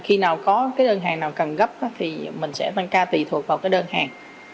khi nào có cái đơn hàng nào cần gấp thì mình sẽ mang ca tùy thuộc vào cái đơn hàng